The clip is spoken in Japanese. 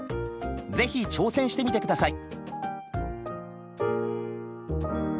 ぜひ挑戦してみてください。